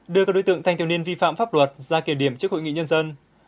đưa các đối tượng thanh thiếu niên vi phạm pháp luật ra kiểm điểm trước hội nghị nhân dân